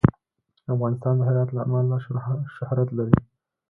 افغانستان د هرات له امله شهرت لري.